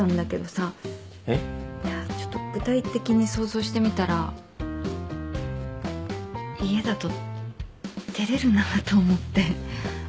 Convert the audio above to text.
いやちょっと具体的に想像してみたら家だと照れるなと思って。